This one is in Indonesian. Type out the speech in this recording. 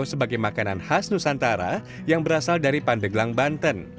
sebagai makanan khas nusantara yang berasal dari pandeglang banten